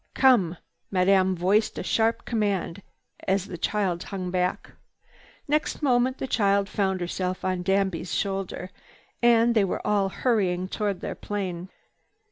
"Come!" Madame voiced a sharp command as the child hung back. Next moment the child found herself on Danby's shoulder, and they were all hurrying away toward their plane.